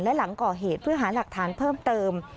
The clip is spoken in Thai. และหลังก่อเหตุเพื่อหาหลักฐานเพิ่มเติม